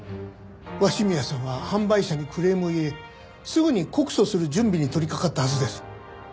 鷲宮さんは販売者にクレームを入れすぐに告訴する準備に取り掛かったはずです。